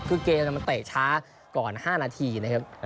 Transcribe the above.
คือเกมมันเตะช้าก่อน๕นาทีนะครับ